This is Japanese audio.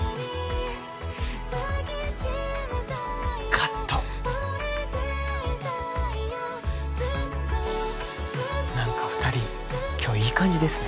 カット何か二人今日いい感じですね